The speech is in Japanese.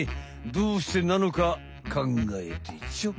どうしてなのかかんがえてちょ。